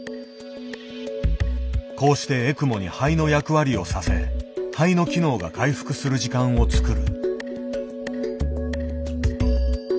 こうしてエクモに肺の役割をさせ肺の機能が回復する時間をつくる。